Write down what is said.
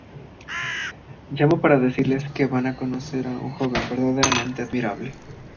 Llamo para decirles que van a conocer a un joven verdaderamente admirable"".